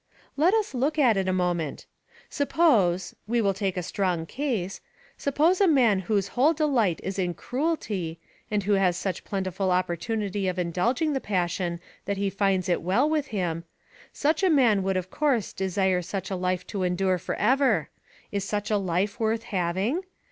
"Let us look at it a moment. Suppose we will take a strong case suppose a man whose whole delight is in cruelty, and who has such plentiful opportunity of indulging the passion that he finds it well with him such a man would of course desire such a life to endure for ever: is such a life worth having?